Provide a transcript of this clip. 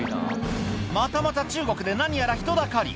またまた中国で何やら人だかり